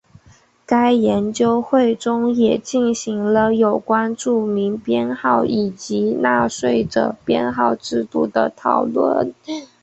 该研究会中也进行了有关住民编号以及纳税者编号制度的讨论。